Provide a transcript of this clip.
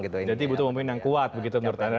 jadi butuh memimpin yang kuat begitu menurut anda